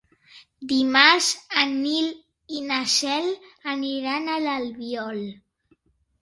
Dimarts en Nil i na Cel aniran a l'Albiol.